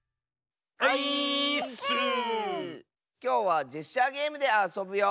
きょうはジェスチャーゲームであそぶよ。